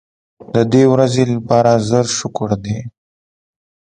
د دې ورځې لپاره زر شکر دی.